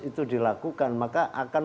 itu dilakukan maka akan